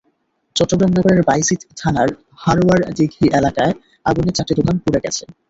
চট্টগ্রাম নগরের বায়েজিদ থানার হারোয়ার দিঘি এলাকায় আগুনে চারটি দোকান পুড়ে গেছে।